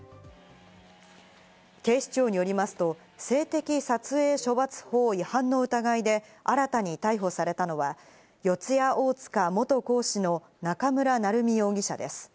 警視庁によりますと、性的撮影処罰法違反の疑いで新たに逮捕されたのは四谷大塚元講師の中村成美容疑者です。